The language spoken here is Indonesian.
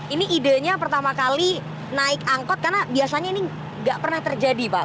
ini idenya pertama kali naik angkot karena biasanya ini nggak pernah terjadi pak